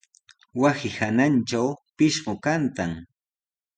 Wasi hanantraw pishqu kantan.